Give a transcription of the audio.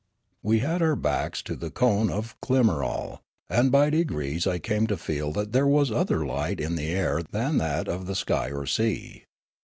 We had our backs to the cone of Klimarol, and by degrees I came to feel that there was other light in the air than that of the sky or sea.